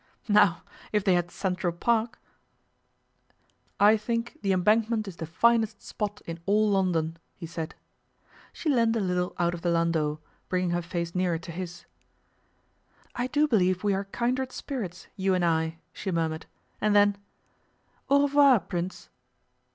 Now, if they had Central Park ' 'I think the Embankment is the finest spot in all London,' he said. She leaned a little out of the landau, bringing her face nearer to his. 'I do believe we are kindred spirits, you and I,' she murmured; and then, 'Au revoir, Prince!